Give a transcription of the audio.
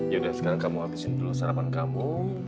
yaudah sekarang kamu habisin dulu sarapan kamu